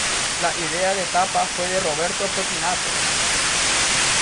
La idea de tapa fue de Roberto Pettinato.